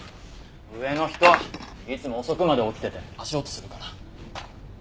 上の人いつも遅くまで起きてて足音するから。